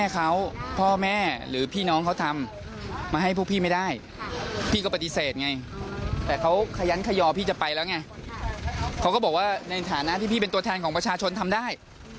เขาก็บอกว่าในฐานะที่พี่เป็นตัวแทนของประชาชนทำได้